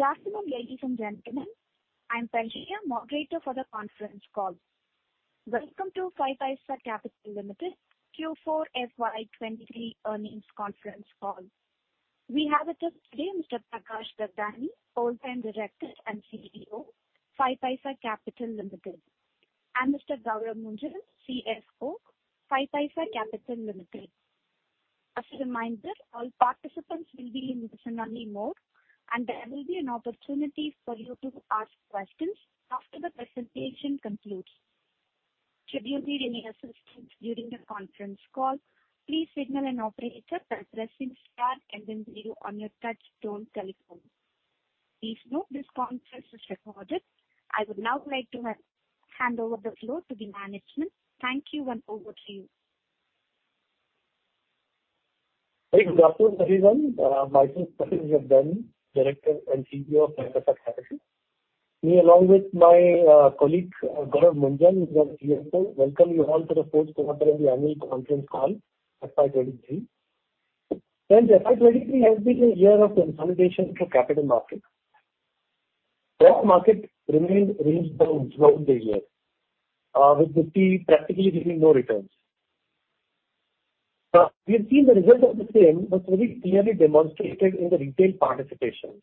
Good afternoon, ladies and gentlemen. I'm Patricia, moderator for the conference call. Welcome to 5paisa Capital Limited Q4 FY 2023 earnings conference call. We have with us today Mr. Prakarsh Gagdani, Whole Time Director and CEO, 5paisa Capital Limited, and Mr. Gourav Munjal, CFO, 5paisa Capital Limited. As a reminder, all participants will be in listen-only mode. There will be an opportunity for you to ask questions after the presentation concludes. Should you need any assistance during the conference call, please signal an operator by pressing star and then zero on your touchtone telephone. Please note this conference is recorded. I would now like to hand over the floor to the management. Thank you. Over to you. Good afternoon, everyone. My name is Prakarsh Gagdani, Director and CEO of 5paisa Capital. Me along with my colleague, Gourav Munjal, who's our CFO, welcome you all to the fourth quarterly annual conference call, FY 2023. FY 2023 has been a year of consolidation for capital markets. Stock market remained range-bound throughout the year, with Nifty practically giving no returns. We have seen the results of the same, but very clearly demonstrated in the retail participation.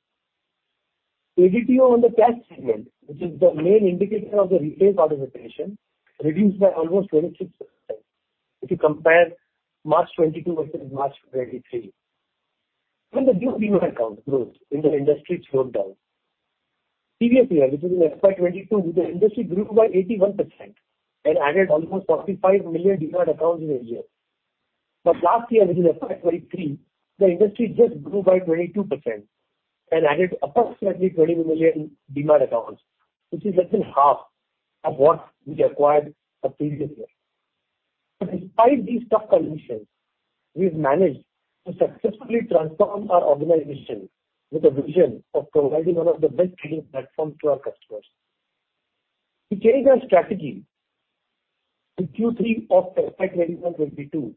ADTO on the cash segment, which is the main indicator of the retail participation, reduced by almost 26% if you compare March 22 versus March 23. Even the new DEMAT account growth in the industry slowed down. Previous year, which was in FY 2022, the industry grew by 81% and added almost 45 million DEMAT accounts in a year. Last year, which is FY 2023, the industry just grew by 22% and added approximately 21 million DEMAT accounts, which is less than half of what we acquired the previous year. Despite these tough conditions, we've managed to successfully transform our organization with a vision of providing one of the best trading platforms to our customers. We changed our strategy in Q3 of FY 2021, FY 2022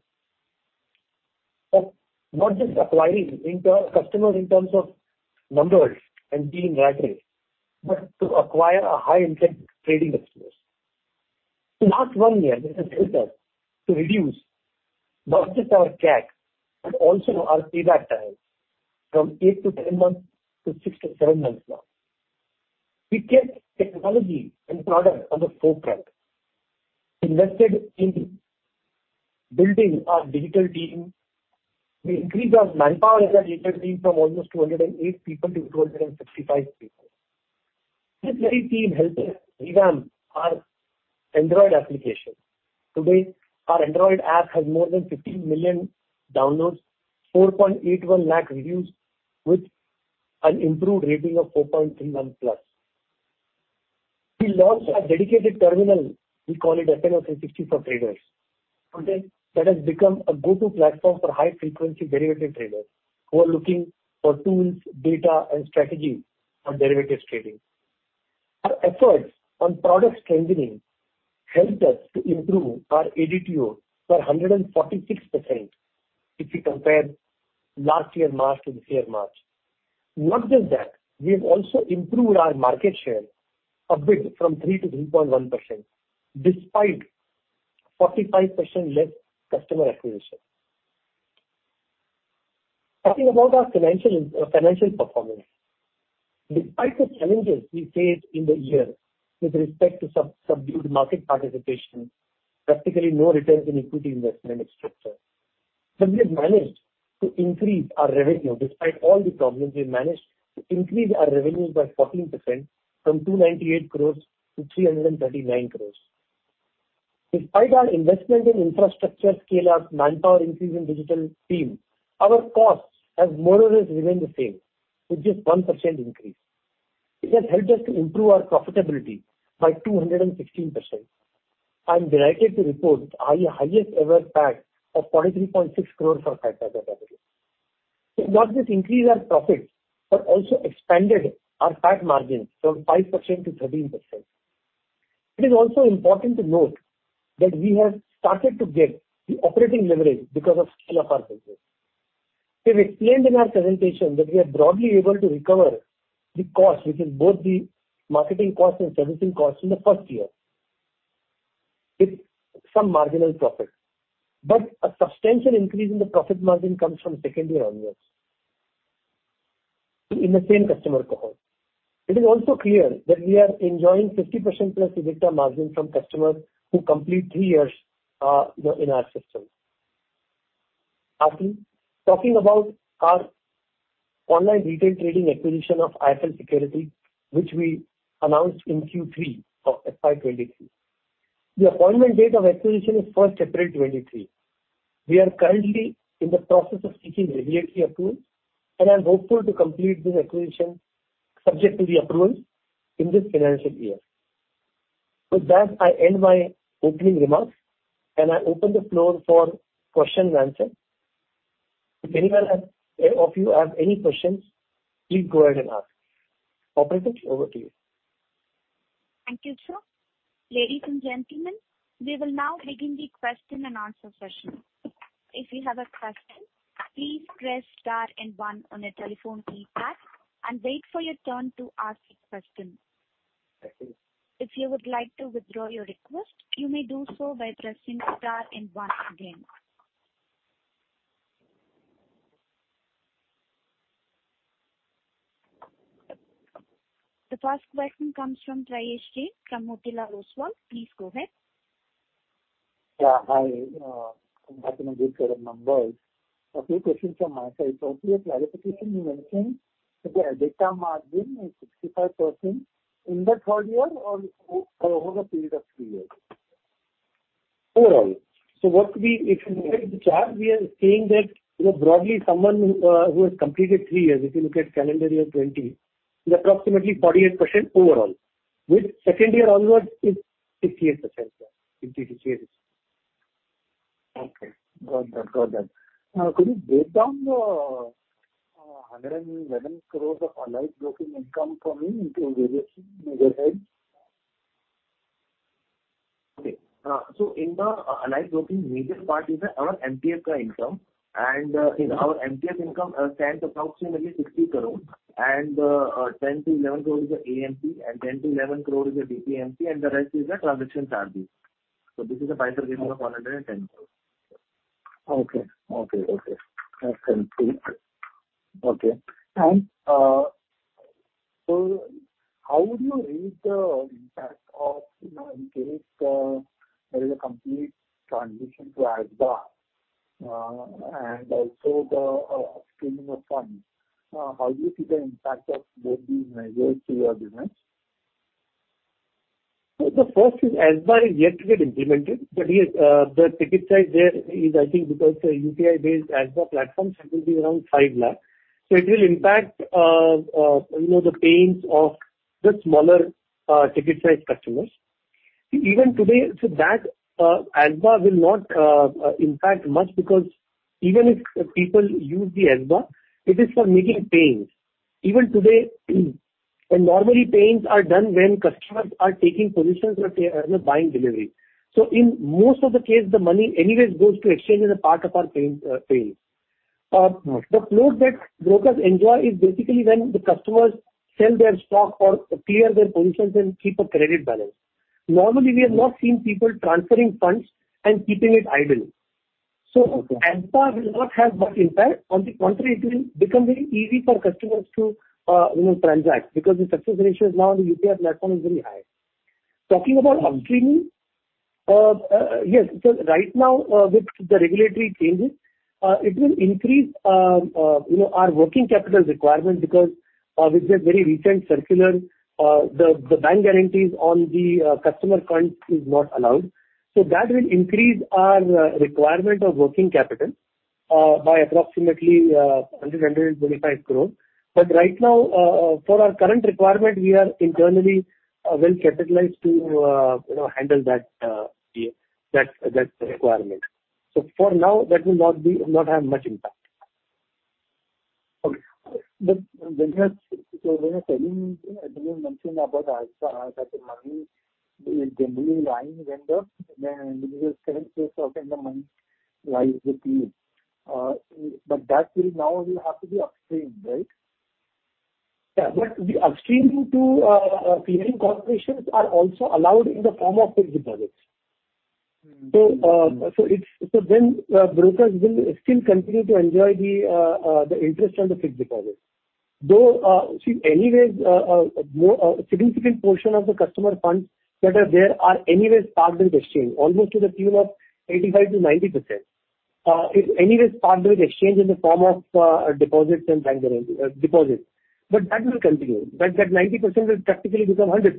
of not just acquiring inter-customers in terms of numbers and dealing rightly, but to acquire a high-intent trading customers. In last 1 year, this has helped us to reduce not just our CAC, but also our payback time from 8-10 months to 6-7 months now. We kept technology and product on the forefront, invested in building our digital team. We increased our manpower as a digital team from almost 208 people-265 people. This very team helped us revamp our Android application. Today, our Android app has more than 15 million downloads, 4.81 lakh reviews with an improved rating of 4.39+. We launched our dedicated terminal, we call it FnO 360 for traders. Today, that has become a go-to platform for high-frequency derivative traders who are looking for tools, data, and strategy on derivatives trading. Our efforts on product strengthening helped us to improve our ADTO by 146% if you compare last year March to this year March. Not just that, we have also improved our market share a bit from 3%-3.1% despite 45% less customer acquisition. Talking about our financial performance. Despite the challenges we faced in the year with respect to subdued market participation, practically no returns in equity investment etc., we have managed to increase our revenue. Despite all the problems, we managed to increase our revenues by 14% from 298 crores to 339 crores. Despite our investment in infrastructure scale-up, manpower increase in digital team, our costs have more or less remained the same with just 1% increase. It has helped us to improve our profitability by 216%. I'm delighted to report our highest ever PAT of 23.6 crores for 5paisa Capital. Not just increase our profits, but also expanded our PAT margin from 5%-13%. It is also important to note that we have started to get the operating leverage because of scale of our business. We've explained in our presentation that we are broadly able to recover the cost, which is both the marketing cost and servicing cost in the first year with some marginal profit. A substantial increase in the profit margin comes from second year onwards in the same customer cohort. It is also clear that we are enjoying 50%+ EBITDA margin from customers who complete three years, you know, in our system. After talking about our online retail trading acquisition of IIFL Securities, which we announced in Q3 of FY 2023. The appointment date of acquisition is 1st April 2023. We are currently in the process of seeking regulatory approval, and I'm hopeful to complete this acquisition subject to the approvals in this financial year. With that, I end my opening remarks, and I open the floor for question and answer. If anyone has... of you have any questions, please go ahead and ask. Operator, over to you. Thank you, sir. Ladies and gentlemen, we will now begin the question and answer session. If you have a question, please press star and one on your telephone keypad and wait for your turn to ask the question. Thank you. If you would like to withdraw your request, you may do so by pressing star and one again. The first question comes from Prayesh Jain from Motilal Oswal. Please go ahead. Hi, from Okay. In the allied broking, major part is our MTF income. In our MTF income, 10,000 is 60 crore and 10 crore-11 crore is the AMP and 10 crore-11 crore is the BPMC and the rest is the transaction charges. This is a pie segment of 110 crore. Okay. Okay. Okay. That's complete. Okay. How would you rate the impact of, you know, in case there is a complete transition to ASBA, and also the upstreaming of funds. How do you see the impact of both these measures to your business? The first is ASBA is yet to get implemented. Yes, the ticket size there is, I think because the UPI-based ASBA platform, it will be around 5 lakh. It will impact, you know, the pains of the smaller ticket size customers. Even today, that ASBA will not impact much because even if people use the ASBA, it is for making pains. Even today, normally pains are done when customers are taking positions or you know, buying delivery. In most of the case, the money anyways goes to exchange as a part of our pains. The flow that brokers enjoy is basically when the customers sell their stock or clear their positions and keep a credit balance. We have not seen people transferring funds and keeping it idle. Okay. ASBA will not have much impact. On the contrary, it will become very easy for customers to, you know, transact because the success ratio is now on the UPI platform is very high. Talking about upstreaming, yes. Right now, with the regulatory changes, it will increase, you know, our working capital requirement because, with their very recent circular, the bank guarantees on the customer funds is not allowed. That will increase our requirement of working capital by approximately 100 crore-125 crore. Right now, for our current requirement, we are internally well-capitalized to, you know, handle that requirement. For now, that will not have much impact. Okay. When you are, when you're telling, when you mentioned about ASBA, that the money will generally lying when the. Yeah. The upstreaming to clearing corporations are also allowed in the form of fixed deposits. Mm-hmm. Brokers will still continue to enjoy the interest on the fixed deposits. Anyways, more significant portion of the customer funds that are there are anyways parked with exchange, almost to the tune of 85%-90%. Is anyways parked with exchange in the form of deposits and bank deposits. That will continue. That 90% will practically become 100%.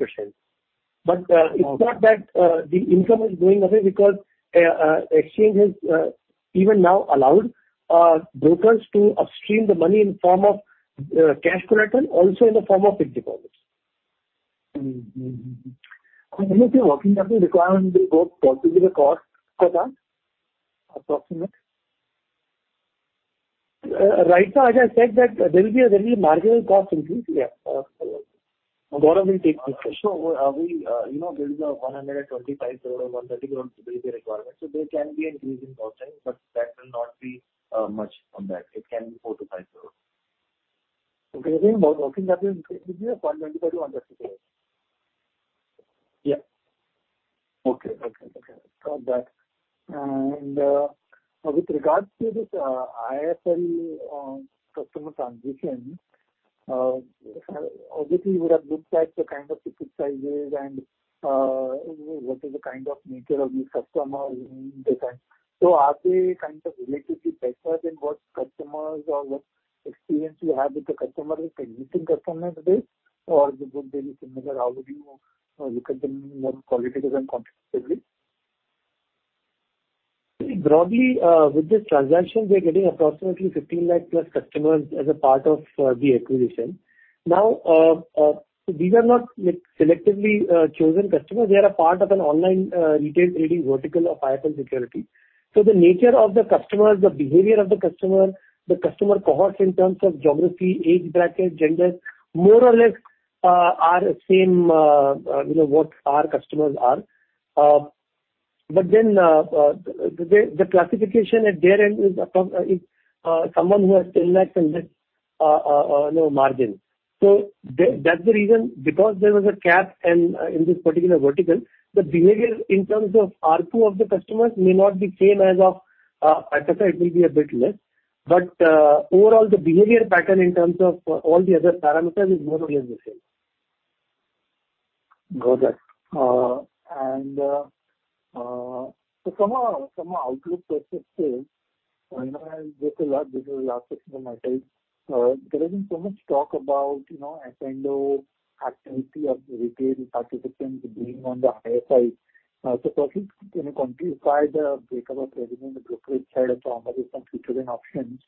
Okay. it's not that, the income is going away because exchange has even now allowed brokers to upstream the money in form of cash collateral, also in the form of fixed deposits. Anything working capital requirement will go possibly the cost cut down approximate? Right now, as I said that there will be a very marginal cost increase. Yeah. Gourav will take this. Are we, you know, there is a 125 crore or 130 crore will be the requirement, so there can be an increase in costing, but that will not be much on that. It can be 4 crore-5 crore. Okay. Working capital increase will be 125 crore-130 crore. Yeah. Okay. Okay. Okay. Got that. With regards to this, IIFL customer transition, obviously you would have looked at the kind of ticket sizes and you know, what is the kind of nature of the customers in detail. Are they kind of relatively better than what customers or what experience you have with the customers, existing customers today, or would they be similar? How would you look at them more qualitatively than quantitatively? See, broadly, with this transaction, we are getting approximately 15 lakh plus customers as a part of the acquisition. These are not like selectively chosen customers. They are a part of an online retail trading vertical of IIFL Securities. The nature of the customers, the behavior of the customer, the customer cohorts in terms of geography, age bracket, genders, more or less, are same, you know, what our customers are. The classification at their end is upon, is someone who has 10 lakhs and less, you know, margin. That's the reason because there was a cap and, in this particular vertical, the behavior in terms of ARPU of the customers may not be same as of Axis, it will be a bit less. overall the behavior pattern in terms of, all the other parameters is more or less the same. Got that. From a, from a outlook perspective, you know, this is the last question from my side. There has been so much talk about, you know, F&O activity of retail participants being on the higher side. First can you quantify the breakup of revenue in the brokerage side of commodities and futures and options,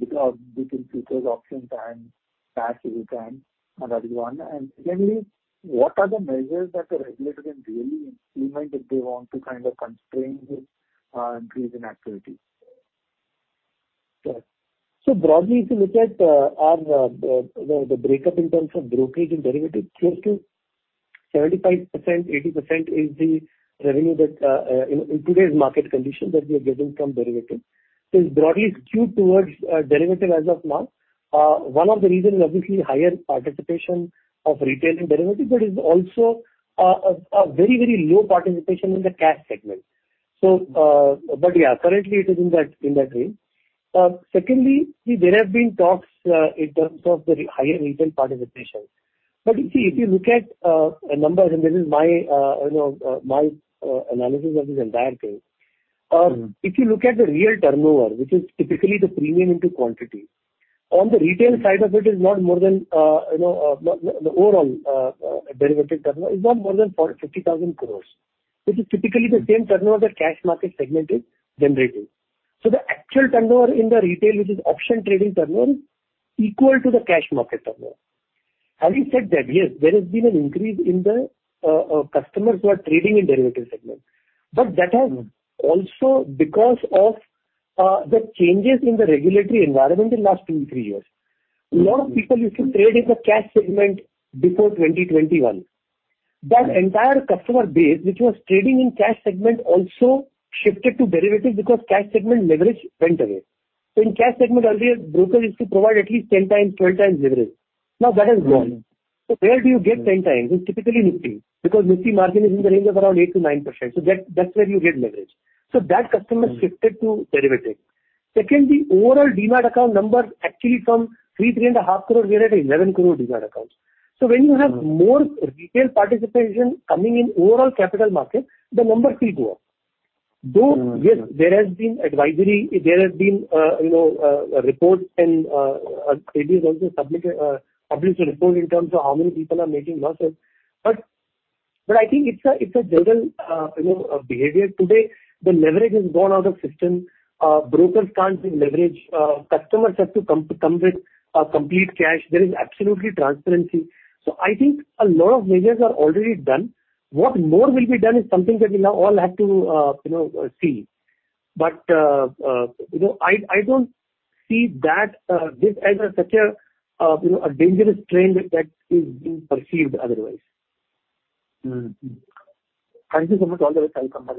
because between futures options and cash if you can. That is one. Secondly, what are the measures that the regulator can really implement if they want to kind of constrain this increase in activity? Sure. Broadly, if you look at our breakup in terms of brokerage and derivatives, close to 75%-80% is the revenue that in today's market condition that we are getting from derivatives. It's broadly skewed towards derivative as of now. One of the reason is obviously higher participation of retail in derivatives, but it's also a very, very low participation in the cash segment. Yeah, currently it is in that range. Secondly, see there have been talks in terms of the higher retail participation. You see, if you look at numbers, and this is my, you know, my analysis of this entire thing. Mm-hmm. If you look at the real turnover, which is typically the premium into quantity, on the retail side of it is not more than, you know, the overall derivative turnover is not more than 50,000 crores, which is typically the same turnover the cash market segment is generating. The actual turnover in the retail, which is option trading turnover, equal to the cash market turnover. Having said that, yes, there has been an increase in the customers who are trading in derivative segment. That has. Mm-hmm. Because of the changes in the regulatory environment in last two, three years. Mm-hmm. A lot of people used to trade in the cash segment before 2021. That entire customer base, which was trading in cash segment, also shifted to derivative because cash segment leverage went away. In cash segment earlier, broker used to provide at least 10x, 12x leverage. Now that has gone. Mm-hmm. Where do you get 10x? It's typically Nifty, because Nifty margin is in the range of around 8%-9%. That's where you get leverage. That customer- Mm-hmm. Shifted to derivative. Secondly, overall DEMAT account numbers actually from 3.5 crore we are at 11 crore DEMAT accounts. Mm-hmm. When you have more retail participation coming in overall capital market, the numbers will go up. Mm-hmm. Yes, there has been advisory, there has been, you know, reports and SEBI has also submitted, published a report in terms of how many people are making losses. I think it's a general, you know, behavior. Today the leverage is gone out of system. Brokers can't do leverage. Customers have to come with complete cash. There is absolutely transparency. I think a lot of measures are already done. What more will be done is something that we'll now all have to, you know, see. You know, I don't see that this as a such a, you know, a dangerous trend that is being perceived otherwise. Mm-hmm. Thank you so much. All the best. I'll come back.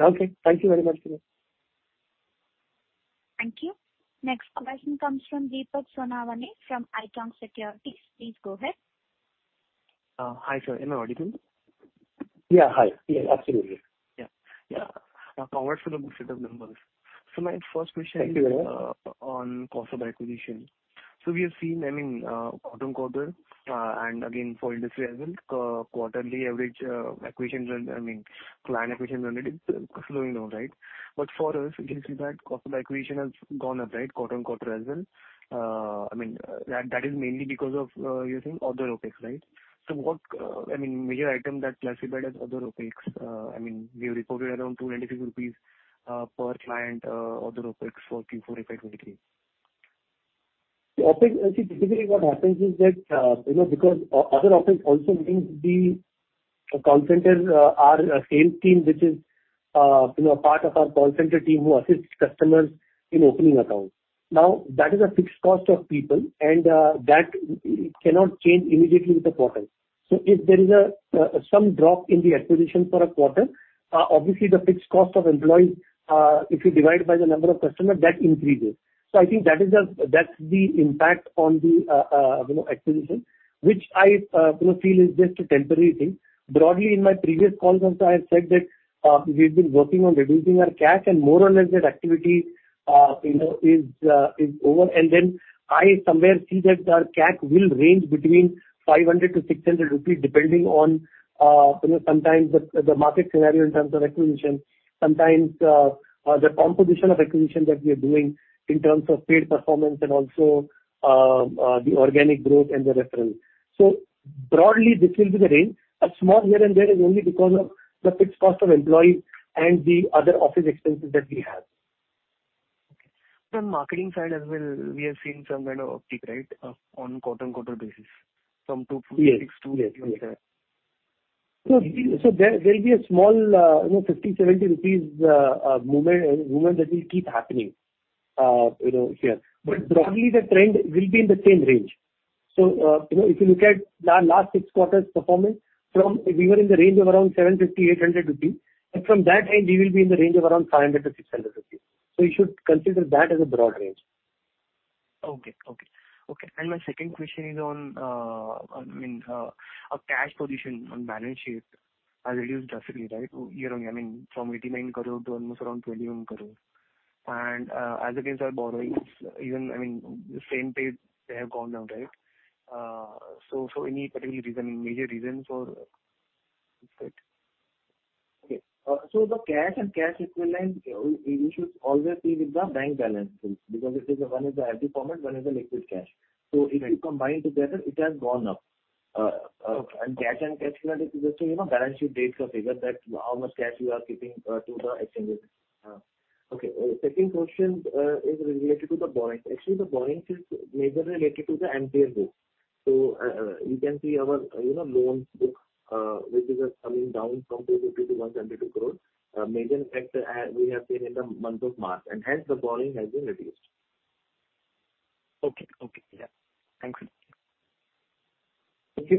Okay. Thank you very much, Sunil. Thank you. Next question comes from Deepak Sonawane from Haitong Securities. Please go ahead. Hi, sir. Am I audible? Yeah. Hi. Yes, absolutely. Yeah. Yeah. Congrats for the set of numbers. My first question is. Thank you very much. On cost of acquisition. We have seen quarter on quarter, and again for industry as well, quarterly average client acquisition run rate is slowing down. For us, we can see that cost of acquisition has gone up quarter on quarter as well. That is mainly because of using other OpEx. What major item that's classified as other OpEx, we've reported around 293 rupees per client other OpEx for Q4 FY 2023. The OpEx, see typically what happens is that, you know, because other OpEx also means the call centers, our sales team, which is, you know, a part of our call center team who assists customers in opening accounts. Now, that is a fixed cost of people, and that cannot change immediately with the quarter. If there is some drop in the acquisition for a quarter, obviously the fixed cost of employees, if you divide by the number of customers, that increases. I think that's the impact on the, you know, acquisition, which I, you know, feel is just a temporary thing. Broadly, in my previous calls also, I have said that, we've been working on reducing our CAC and more or less that activity, you know, is over. I somewhere see that our CAC will range between 500-600 rupees, depending on, you know, sometimes the market scenario in terms of acquisition, sometimes, the composition of acquisition that we are doing in terms of paid performance and also, the organic growth and the reference. Broadly, this will be the range. A small here and there is only because of the fixed cost of employees and the other office expenses that we have. Okay. From marketing side as well, we have seen some kind of uptick, right, on quarter-on-quarter basis, from 246 to 257. Yes. Yes. Yes. There'll be a small, you know, 50-70 rupees movement that will keep happening, you know, here. Okay. Broadly, the trend will be in the same range. You know, if you look at the last six quarters' performance from we were in the range of around 750-800 rupees, and from that end we will be in the range of around 500-600 rupees. You should consider that as a broad range. Okay. My second question is on, I mean, a cash position on balance sheet has reduced drastically, right, year-on-year. I mean, from 89 crore to almost around 21 crore. As against our borrowings, even, I mean, the same pace they have gone down, right? Any particular reason, major reasons for this drop? Okay. The cash and cash equivalent, we should always see with the bank balance too because one is 50%, one is liquid cash. If you combine together it has gone up. Okay. Cash and cash equivalent is just, you know, balance sheet dates or figure that how much cash you are keeping to the exchanges. Okay. Second question is related to the borrowings. Actually, the borrowings is majorly related to the MPL book. You can see our, you know, loans book, which is coming down from 250 crore-172 crore. A major impact we have seen in the month of March, hence the borrowing has been reduced. Thank you. Thank you.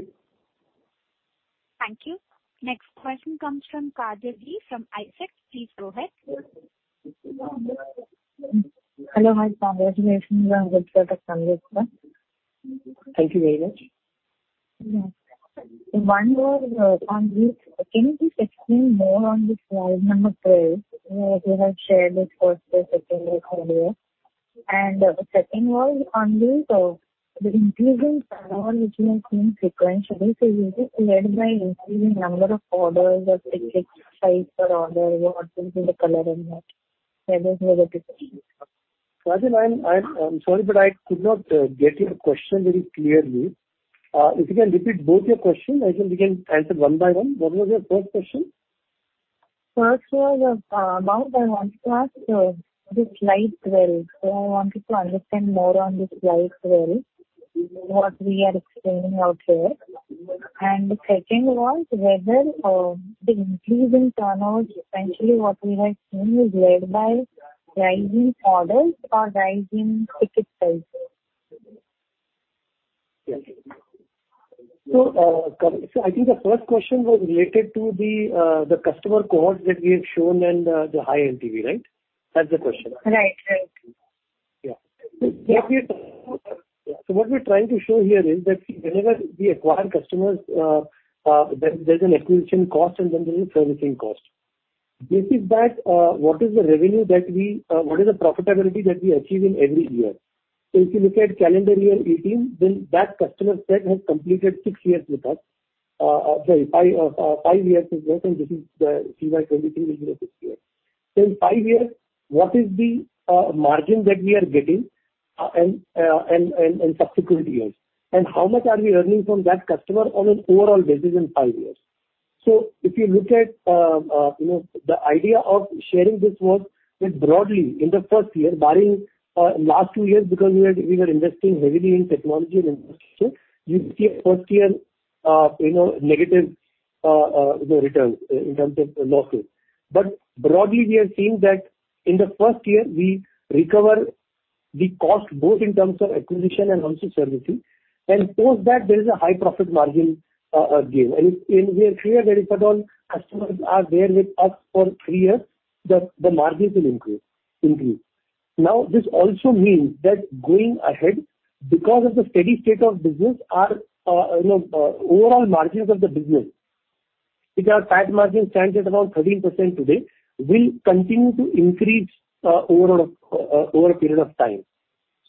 Thank you. Next question comes from Kajal Gandhi from ICICI. Please go ahead. Hello. My congratulations on good quarter results, sir. Thank you very much. One was on this. Can you please explain more on this large number trades, you know, you have shared with us the second quarter here. Second was on this, the increase in turnover which we have seen sequentially, so is it led by increasing number of orders or ticket size per order or both in the color and what? I think were the two questions. Kajal, I'm sorry, but I could not get your question very clearly. If you can repeat both your questions, I think we can answer one by one. What was your first question? First was, about I want to ask, this live trades. I wanted to understand more on this live trades, what we are explaining out here. Second was whether, the increase in turnover essentially what we have seen is led by rising orders or rising ticket sizes. I think the first question was related to the customer cohorts that we have shown and the high LTV, right? That's the question. Right. Right. Yeah. Yeah. What we're trying to show here is that whenever we acquire customers, there's an acquisition cost and then there's a servicing cost. This is that, what is the profitability that we achieve in every year. If you look at calendar year 2018, then that customer set has completed six years with us. sorry, five years with us, and this is the FY 2023, which is six years. In five years, what is the margin that we are getting, and subsequent years, and how much are we earning from that customer on an overall basis in five years. If you look at, you know, the idea of sharing this was that broadly in the first year, barring last two years because we were investing heavily in technology and infrastructure, you see a first year, you know, negative, you know, return in terms of losses. Broadly, we are seeing that in the first year we recover the cost both in terms of acquisition and also servicing. Post that there is a high profit margin gain. We are clear that if at all customers are there with us for three years, the margins will increase. This also means that going ahead, because of the steady state of business, our, you know, overall margins of the business, which our PAT margin stands at around 13% today, will continue to increase over a period of time.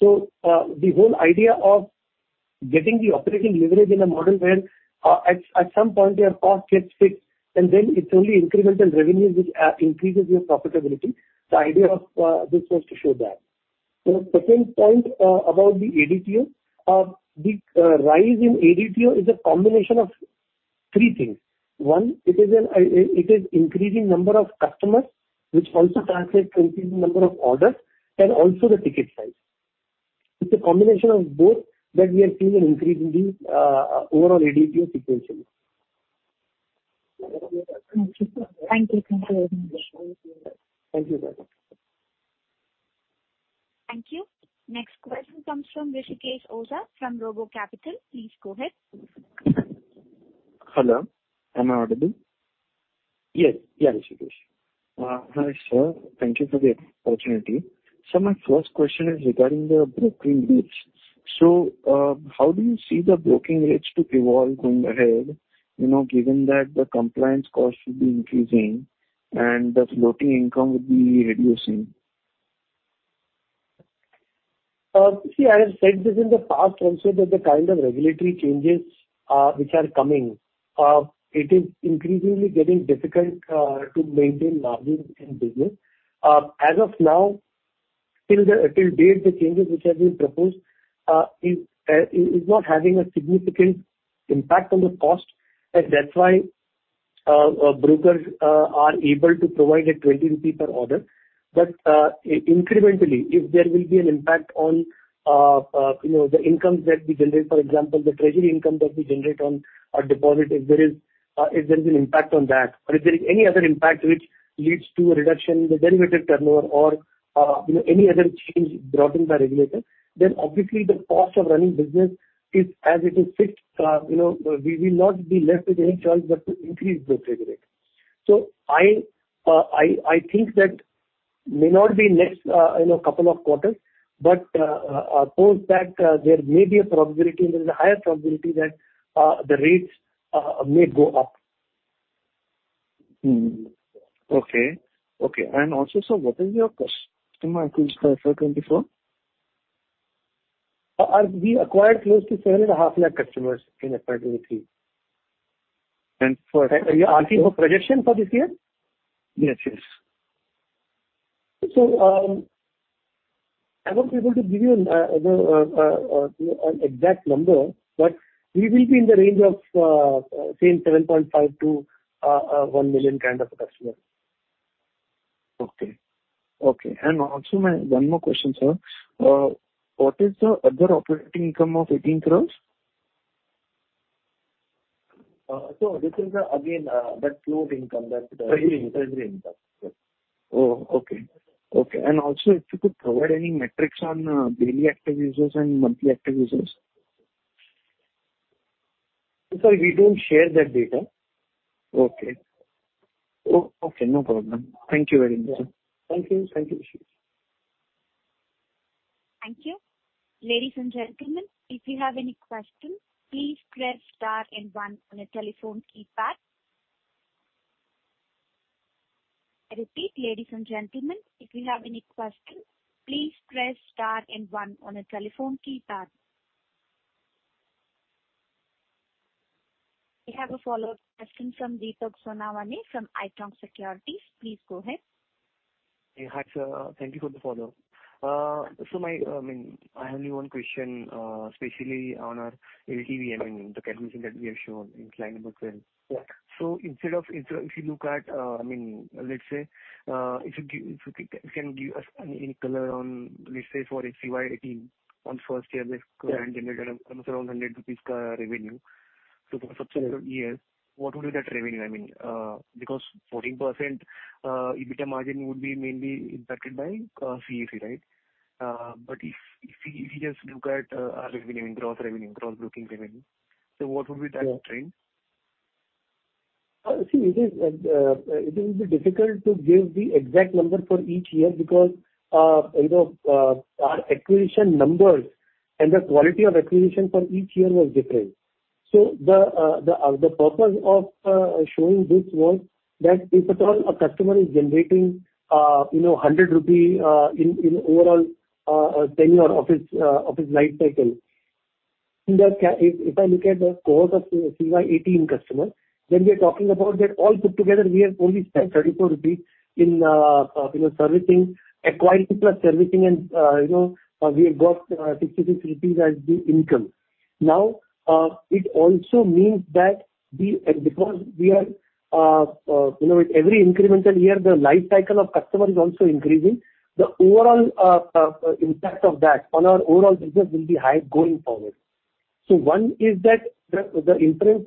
The whole idea of getting the operating leverage in a model where at some point your cost gets fixed and then it's only incremental revenues which increases your profitability, the idea of this was to show that. Second point about the ADTO. The rise in ADTO is a combination of three things. One, it is increasing number of customers which also translates to increasing number of orders and also the ticket size. It's a combination of both that we are seeing an increase in the overall ADTO sequentially. Okay. Thank you. Thank you very much. Thank you. Bye-bye. Thank you. Next question comes from Rishikesh Oza from RoboCapital. Please go ahead. Hello, am I audible? Yes. Yes, Rishikesh. Hi, sir. Thank you for the opportunity. My first question is regarding the broking rates. How do you see the broking rates to evolve going ahead, you know, given that the compliance costs should be increasing and the floating income would be reducing? See, I have said this in the past also that the kind of regulatory changes, which are coming, it is increasingly getting difficult, to maintain margins in business. As of now, till date, the changes which have been proposed is not having a significant impact on the cost. That's why, brokers are able to provide at 20 rupee per order. Incrementally, if there will be an impact on, you know, the incomes that we generate, for example, the treasury income that we generate on a deposit, if there is, if there is an impact on that or if there is any other impact which leads to a reduction in the derivative turnover or, you know, any other change brought in by regulator, obviously the cost of running business is as it is fixed. You know, we will not be left with any choice but to increase broking rates. I think that may not be next, you know, couple of quarters, but post that, there may be a probability, there's a higher probability that the rates may go up. Okay. Okay. Also, sir, what is your customer acquisition for 2024? We acquired close to 7.5 lakh customers in the financial year. And for- Are you asking for projection for this year? Yes, yes. I won't be able to give you know, an exact number, but we will be in the range of, say 7.5-1 million kind of customers. Okay. Also One more question, sir. What is the other operating income of 18 crores? This is, again, that closed income. Treasure income. Treasure income. Yes. Okay. Okay. Also if you could provide any metrics on daily active users and monthly active users? Sir, we don't share that data. Okay. No problem. Thank you very much, sir. Yeah. Thank you. Thank you. Thank you. Ladies and gentlemen, if you have any questions, please press star and one on your telephone keypad. I repeat, ladies and gentlemen, if you have any questions, please press star and one on your telephone keypad. We have a follow-up question from Deepak Sonawane from ICICI Securities. Please go ahead. Hi, sir. Thank you for the follow-up. I mean, I have only one question, especially on our LTV, I mean, the calculation that we have shown in line number 12. Yeah. instead of if you look at, I mean, let's say, if you can give us any color on, let's say for a CY 18 on first year risk... Yeah. Generated almost around INR 100 revenue. For subsequent years, what would be that revenue? I mean, because 14% EBITDA margin would be mainly impacted by CAC, right? If we just look at our revenue, gross revenue, gross broking revenue, what would be that trend? See, it is, it will be difficult to give the exact number for each year because, you know, our acquisition numbers and the quality of acquisition for each year was different. The, the purpose of showing this was that if at all a customer is generating, you know, 100 rupee in overall tenure of his, of his life cycle. If, if I look at the cohort of CY 18 customers, then we are talking about that all put together we have only spent 34 rupees in, you know, servicing, acquiring plus servicing and, you know, we have got 66 rupees as the income. It also means that because we are, you know, with every incremental year, the life cycle of customer is also increasing. The overall impact of that on our overall business will be high going forward. One is that the inference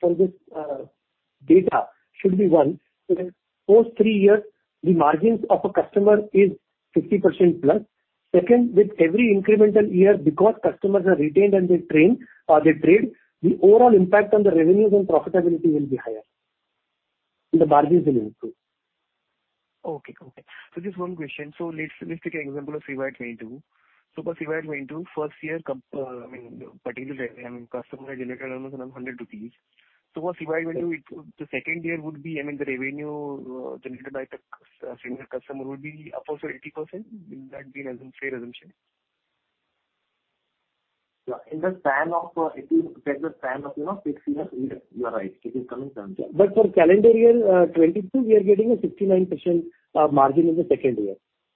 from this data should be one. That post 3 years, the margins of a customer is 60% plus. Second, with every incremental year, because customers are retained and they train, they trade, the overall impact on the revenues and profitability will be higher, and the margins will improve. Okay. Okay. Just one question. Let's take an example of CY 22. For CY 22, first year comp, I mean, particular, I mean, customer generated around 100 rupees. For CY 22, the second year would be, I mean, the revenue generated by the senior customer would be approximately 80%. Will that be a fair assumption? Yeah. In the span of 18, say the span of, you know, 6 years, yes, you are right. It is coming down. For calendar year 2022, we are getting a 69% margin in the second year.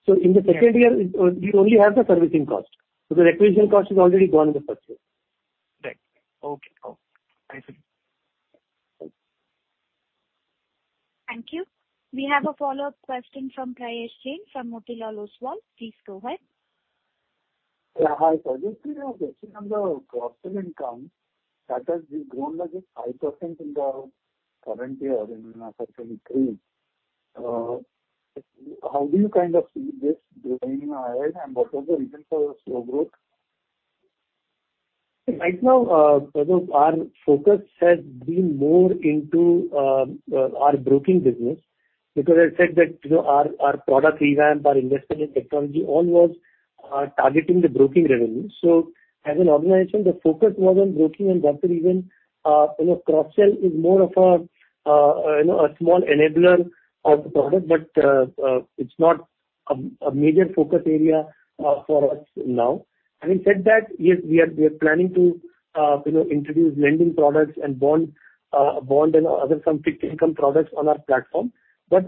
In the second year. Yeah. It's, we only have the servicing cost because acquisition cost is already gone in the first year. Right. Okay. Okay. I see. Thank you. We have a follow-up question from Prayesh Jain from Motilal Oswal. Please go ahead. Yeah. Hi, Prakarsh Gagdani. We were checking on the cross-sell income that has been grown by just 5% in the current year, you know, fiscal 23. How do you kind of see this going ahead, what was the reason for the slow growth? Right now, because our focus has been more into our broking business because I said that, you know, our product revamp, our investment in technology all was targeting the broking revenue. As an organization, the focus was on broking and that's the reason, you know, cross-sell is more of a, you know, a small enabler of the product, but it's not a major focus area for us now. Having said that, yes, we are planning to, you know, introduce lending products and bond and other some fixed income products on our platform. Those,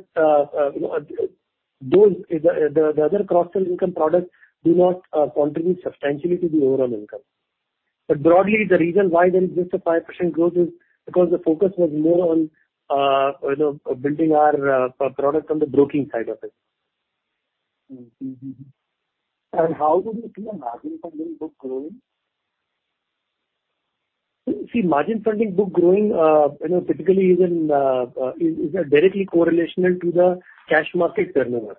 the other cross-sell income products do not contribute substantially to the overall income. Broadly, the reason why there is just a 5% growth is because the focus was more on, you know, building our products on the broking side of it. Mm-hmm. How do you see a margin funding book growing? See, margin funding book growing, you know, typically is in, is a directly correlational to the cash market turnover.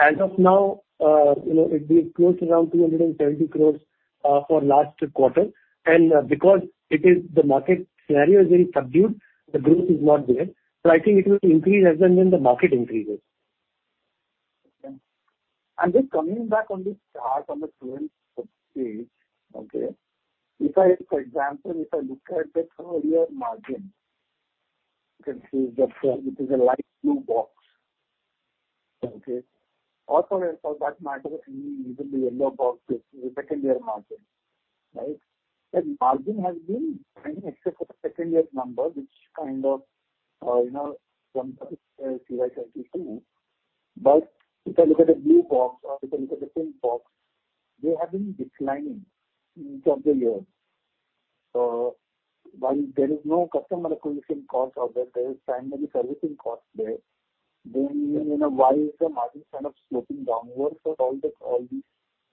As of now, you know, it'll be close to around 270 crores, for last quarter. Because it is the market scenario is very subdued, the growth is not there. I think it will increase as and when the market increases. Okay. Just coming back on this chart on the 12th page, okay. If I, for example, if I look at the earlier margin, you can see that, it is a light blue box. Okay. Also, for that matter, and even the yellow box is secondary margin, right? That margin has been trending except for the second-year number, which kind of, you know, sometimes, If I look at the blue box or if I look at the pink box, they have been declining each of the years. While there is no customer acquisition cost out there is timely servicing cost there. You know, why is the margin kind of sloping downwards at all the, all these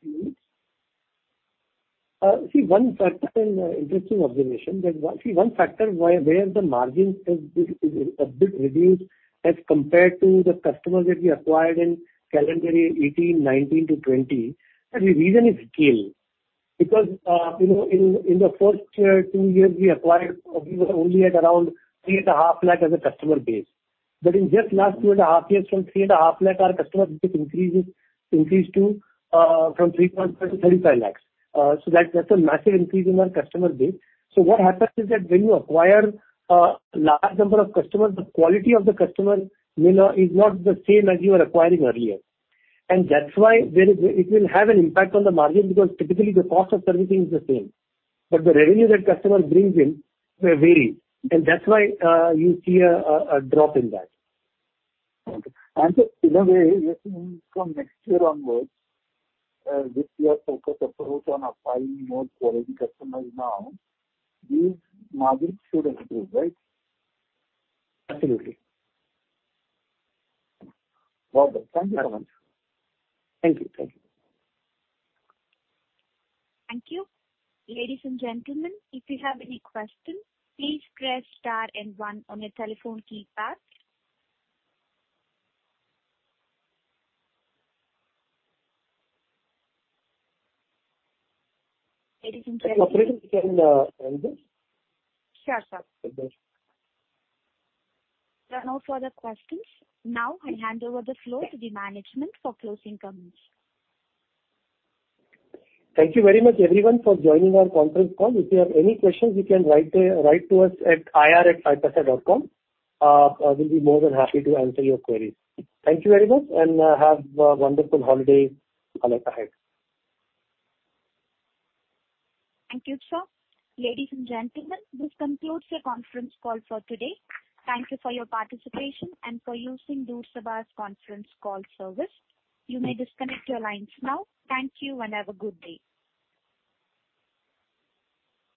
periods? See one factor why where the margin has been, is a bit reduced as compared to the customers that we acquired in calendar 2018, 2019 to 2020. The reason is scale. You know, in the first two years we acquired, we were only at around 3.5 lakh as a customer base. In just last two and a half years, from three and a half lakh, our customer base has increased to from 3 point to 35 lakhs. That's a massive increase in our customer base. What happens is that when you acquire a large number of customers, the quality of the customer, you know, is not the same as you were acquiring earlier. That's why it will have an impact on the margin because typically the cost of servicing is the same. The revenue that customer brings in may vary. That's why you see a drop in that. Okay. In a way, from next year onwards, with your focus approach on acquiring more quality customers now, these margins should improve, right? Absolutely. Well done. Thank you so much. Thank you. Thank you. Thank you. Ladies and gentlemen, if you have any questions, please press star and 1 on your telephone keypad. Ladies and gentlemen. Operator, can end this? Sure, sir. Thank you. There are no further questions. I hand over the floor to the management for closing comments. Thank you very much everyone for joining our conference call. If you have any questions, you can write to us at ir@5paisa.com. We'll be more than happy to answer your queries. Thank you very much and have a wonderful holiday ahead. Thank you, sir. Ladies and gentlemen, this concludes your conference call for today. Thank you for your participation and for using Do Sabha's conference call service. You may disconnect your lines now. Thank you. Have a good day.